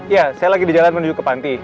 ya saya lagi di jalan menuju ke panti